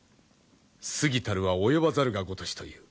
「過ぎたるは及ばざるがごとし」という。